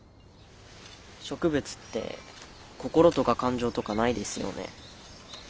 植物って心とか感情とかないですよね。